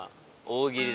大喜利！